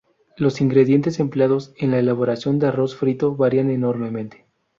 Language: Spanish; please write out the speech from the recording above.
Los ingredientes empleados en la elaboración del arroz frito varían enormemente.